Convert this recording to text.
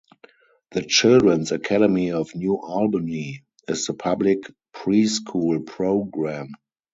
The Children's Academy of New Albany is the public preschool program.